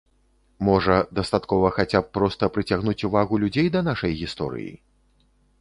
Можа, дастаткова хаця б проста прыцягнуць увагу людзей да нашай гісторыі?